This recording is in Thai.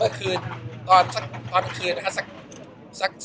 เมื่อคืนตอนนั้นคืนนะคะ